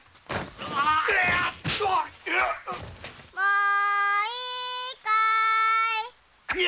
もういいかーい。